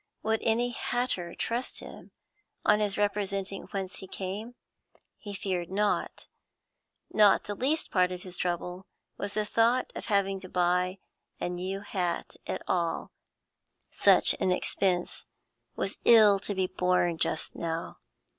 Would any hatter trust him, on his representing whence he came? He feared not. Not the least part of his trouble was the thought of having to buy a new hat at all; such an expense was ill to be borne just now.